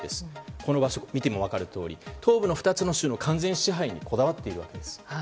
この場所、見ても分かるとおり東部の２つの州の完全支配にこだわっているわけです。